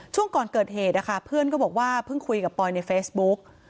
ช่วงก่อนเกิดเหตุนะคะเพื่อนก็บอกว่าเพิ่งคุยกับปอยในเฟซบุ๊ก